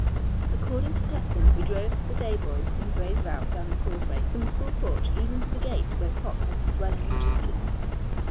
According to custom we drove the day boys in brave rout down the causeway from the school porch even to the gate where Cop has his dwelling and duty.